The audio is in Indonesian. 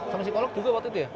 sama psikolog juga waktu itu ya